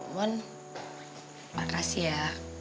umun makasih ya